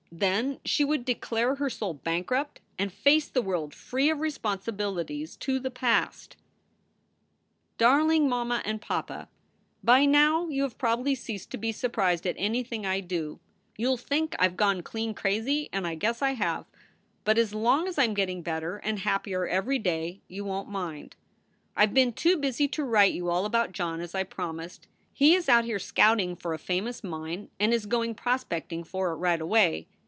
Then she would declare her soul bankrupt and face the world free of responsibilities to the past. n8 SOULS FOR SALE DARLING MAMMA AND PAPA, By now you have probably ceased to be surprised at anything I do. You ll think I ve gone clean crazy and I guess I have, but as long as I m getting better and happier every day you won t mind. I ve been too busy to write you all about John as I promised. He is out here scouting for a famous mine and is going prospecting for it right away.